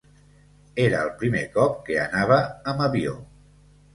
Era el primer cop que anava amb avió.